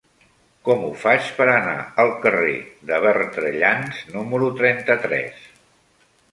Com ho faig per anar al carrer de Bertrellans número trenta-tres?